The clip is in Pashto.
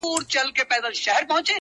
o د سترگو توري په کي به دي ياده لرم ـ